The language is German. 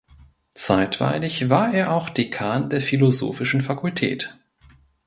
Zeitweilig war er auch Dekan der Philosophischen Fakultät.